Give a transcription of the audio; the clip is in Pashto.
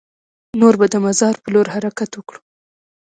نور به د مزار په لور حرکت وکړو.